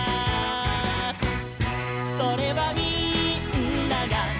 「それはみんなが」